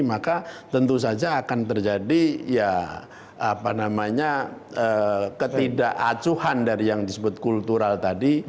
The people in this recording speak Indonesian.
maka tentu saja akan terjadi ketidakacuhan dari yang disebut kultural tadi